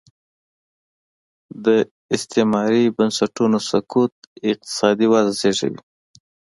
د استعماري بنسټونو سقوط اقتصادي وده وزېږوي.